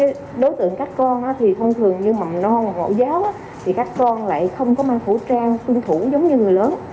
và những cái đối tượng các con thì thông thường như mầm non mẫu giáo thì các con lại không có mang phổ trang phương thủ giống như người lớn